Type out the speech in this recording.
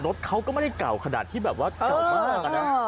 รถเขาก็ไม่ได้เก่าขนาดที่แบบว่าเก่ามากอะนะ